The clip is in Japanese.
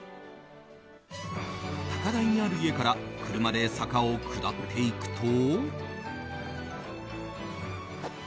高台にある家から車で坂を下っていくと。